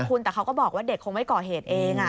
คุณแต่เขาก็บอกว่าเด็กคงไม่ก่อเหตุเอง